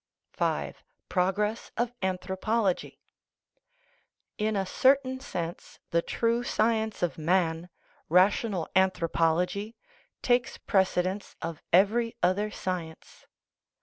V. PROGRESS OF ANTHROPOLOGY In a certain sense, the true science of man, rational anthropology, takes precedence of every other science.